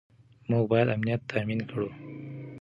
موږ باید امنیت تامین کړو.